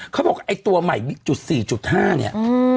เขาบอกไอ้ตัวใหม่จุด๔๕เนี่ย